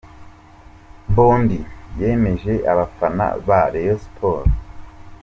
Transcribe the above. Mbondi yemeje abafana ba Rayon Sports.